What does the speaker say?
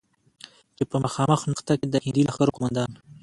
چې په مخامخ نښته کې د هندي لښکرو قوماندان،